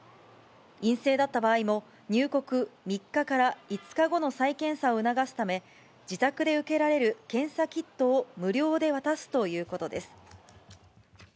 陰性だった場合も、入国３日から５日後の再検査を促すため、自宅で受けられる検査キットを無料で渡すということです。